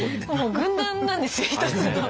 軍団なんですよ一つの。